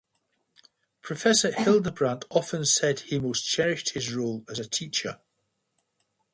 Professor Hildebrand often said he most cherished his role as a teacher.